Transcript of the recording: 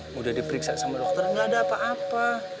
sudah diperiksa sama dokter nggak ada apa apa